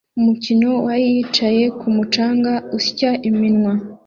Umukino wa yicaye kumu canga usya iminwa